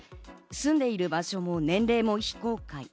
住んでいる場所も年齢も非公開。